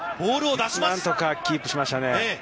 何とかキープしましたね。